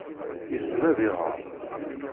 Yessen ad iɣer.